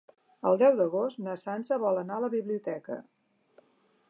El deu d'agost na Sança vol anar a la biblioteca.